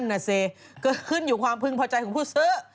น่ะสิเกิดขึ้นอยู่ความพึงพอใจของผู้ซื้อ